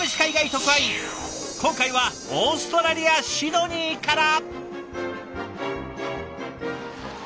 今回はオーストラリア・シドニーから！